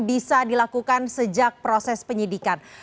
bisa dilakukan sejak proses penyidikan